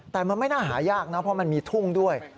แต่มันไม่น่าหายากนะเพราะมันมีทุ่งด้วย